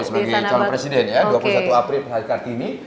sebagai calon presiden ya dua puluh satu april hari kartini